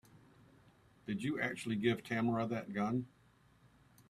Did you actually give Tamara that gun?